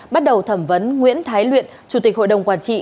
bắt đầu thẩm vấn nguyễn thái luyện chủ tịch hội đồng quản trị